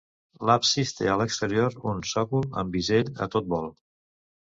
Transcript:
L'absis té a l'exterior un sòcol amb bisell a tot vol.